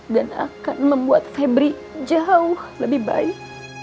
dan akan membuat febri jauh lebih baik